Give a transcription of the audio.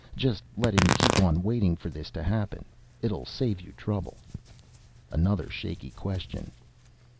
Just let him keep on waiting for this to happen. It'll save you trouble." Another shaky question.